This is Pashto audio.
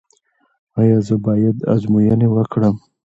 ایا زه باید ازموینې وکړم؟